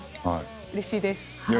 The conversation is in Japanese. うれしいです。